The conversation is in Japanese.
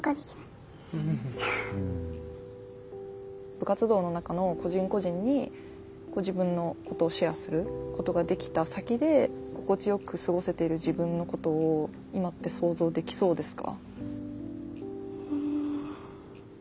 部活動の中の個人個人にご自分のことをシェアすることができた先で心地よく過ごせている自分のことを今って想像できそうですか？